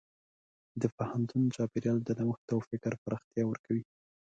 د پوهنتون چاپېریال د نوښت او فکر پراختیا ورکوي.